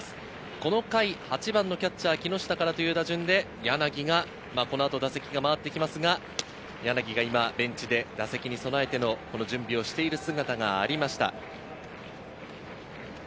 この回、８番のキャッチャー・木下からという打順で柳がこの後、打席が回ってきますが、今ベンチで打席に備えての準備をしています。